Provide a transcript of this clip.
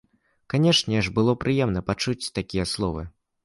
Канешне ж, было прыемна пачуць такія словы.